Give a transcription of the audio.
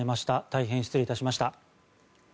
大変、失礼いたしました。